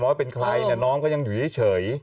ว่าเป็นใครน้องก็ยังอยู่นี่เฉย